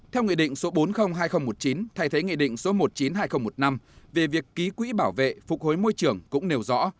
theo nghị định số bốn trăm linh hai nghìn một mươi chín thay thế nghị định số một trăm chín mươi hai nghìn một mươi năm về việc ký quỹ bảo vệ phục hối môi trường cũng nêu rõ